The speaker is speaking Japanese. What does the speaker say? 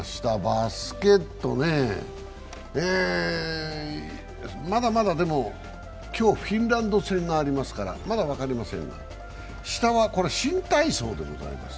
バスケットね、まだまだでも、今日フィンランド戦がありますから、まだ分かりませんが下は新体操でございます。